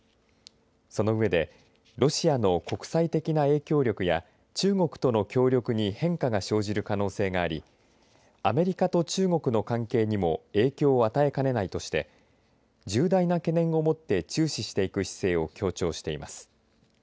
その上でロシアの国際的な影響力や中国との協力に変化が生じる可能性がありアメリカと中国の関係にも影響を与えかねないとして重大な懸念を持って注視していく姿勢を強調しています。